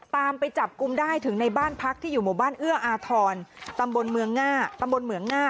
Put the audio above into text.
ตามไปจับกุมได้ถึงในบ้านพักที่อยู่หมู่บ้านเอื้ออาธรณ์ตำบลเมืองง่า